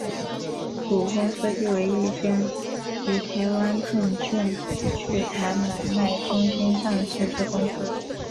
伍丰科技为一间于台湾证券柜台买卖中心上市之公司。